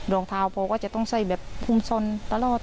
รองเท้าพอก็จะต้องใส่แบบภูมิสนตลอด